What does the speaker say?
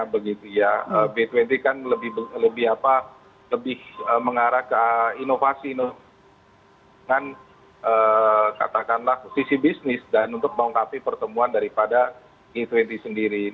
b dua puluh kan lebih mengarah ke inovasi dengan katakanlah sisi bisnis dan untuk mengungkapi pertemuan daripada g dua puluh sendiri